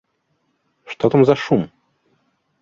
Што там за шум?